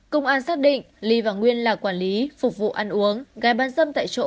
công an xác định ly và nguyên là quản lý phục vụ ăn uống gái bán dâm tại chỗ